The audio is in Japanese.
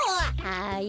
はい？